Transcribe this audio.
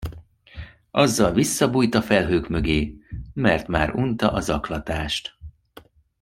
Azzal visszabújt a felhők mögé, mert már unta a zaklatást.